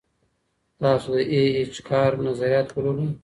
تاسو د ای اېچ کار نظریات ولولئ.